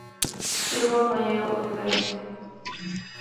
Studoval na Yale University.